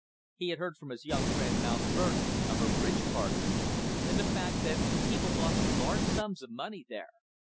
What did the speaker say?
He had heard from his young friend Mount Vernon of her bridge parties, and the fact that people lost large sums of money there.